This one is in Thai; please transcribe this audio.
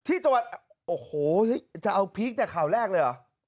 ที่จังหวัดโอ้โหจะเอาพีคเนี่ยข่าวแรกเลยเหรอ